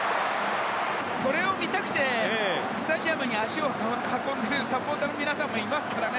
これを見たくてスタジアムに足を運んでいるサポーターの皆さんもいますからね。